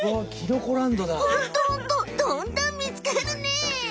どんどんみつかるね！